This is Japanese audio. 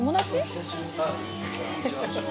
久しぶり